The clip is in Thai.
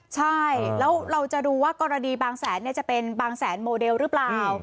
ใช่แล้วเราจะดูว่ากรณีบางแสนจะเป็นบางแสนโมเดลหรือเปล่า